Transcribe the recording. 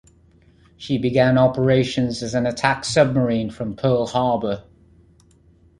She began operations as an attack submarine from Pearl Harbor.